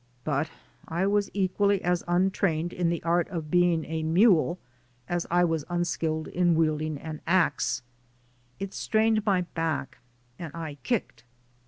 But I was equally as untrained in the art of being a mule as I was unskilled in wielding an ax. It strained my back and I "kicked."